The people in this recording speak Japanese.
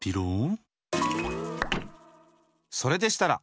それでしたら！